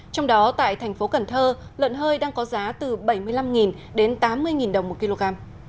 trong đó tại thành phố cần thơ lợn hơi đang có giá từ bảy mươi năm đến tám mươi đồng một kg